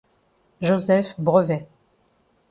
Joseph Brevet.